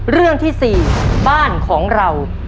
เรื่องที่๔บ้านของเรา